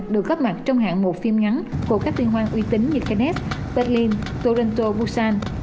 được góp mặt trong hạng một phim ngắn của các tuyên hoan uy tín như kenneth berlin toronto busan